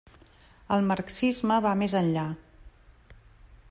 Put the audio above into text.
El marxisme va més enllà.